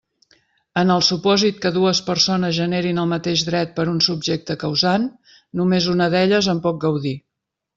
En el supòsit que dues persones generin el mateix dret per un subjecte causant, només una d'elles en pot gaudir.